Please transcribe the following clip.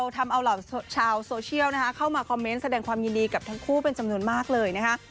ทำเอาเหล่าชาวโซเชียลเข้ามาคอมเมนต์แสดงความยินดีกับทั้งคู่เป็นจำนวนมากเลยนะคะ